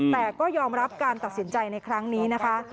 แต่ก็ยอมรับการตัดสินใจในครั้งนี้นะคะ